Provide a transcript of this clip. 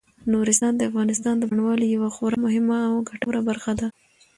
نورستان د افغانستان د بڼوالۍ یوه خورا مهمه او ګټوره برخه ده.